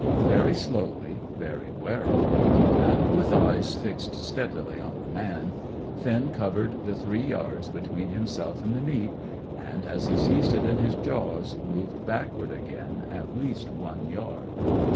Very slowly, very warily, and with eyes fixed steadily on the man, Finn covered the three yards between himself and the meat, and, as he seized it in his jaws, moved backward again at least one yard.